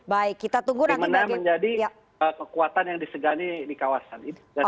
dimana menjadi kekuatan yang disegani di kawasan